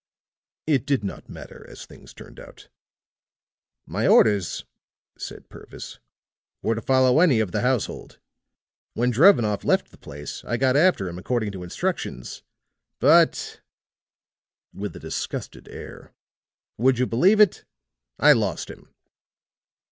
"It did not matter, as things turned out." "My orders," said Purvis, "were to follow any of the household. When Drevenoff left the place I got after him according to instructions. But," with a disgusted air, "would you believe it? I lost him."